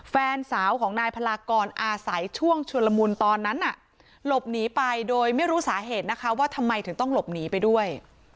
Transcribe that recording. แฟนสาวของนายพลากรอาศัยช่วงชุลมุนตอนนั้นน่ะหลบหนีไปโดยไม่รู้สาเหตุนะคะว่าทำไมถึงต้องหลบหนีไปด้วย